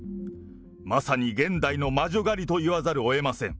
まさに、現代の魔女狩りと言わざるをえません。